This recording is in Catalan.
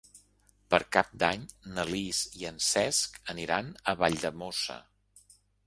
Per Cap d'Any na Lis i en Cesc aniran a Valldemossa.